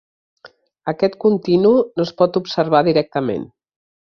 Aquest continu no es pot observar directament.